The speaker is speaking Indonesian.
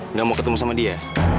nggak mau ketemu sama dia